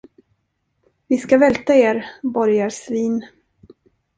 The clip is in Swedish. Vi ska välta er, borgarsvin.